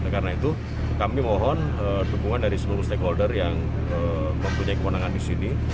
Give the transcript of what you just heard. karena itu kami mohon dukungan dari seluruh stakeholder yang mempunyai kewenangan di sini